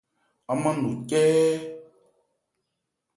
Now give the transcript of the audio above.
Án mân no cɛ́ɛ́.